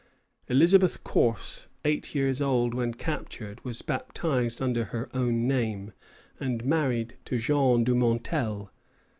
Elizabeth Corse, eight years old when captured, was baptized under her own name, and married to Jean Dumontel.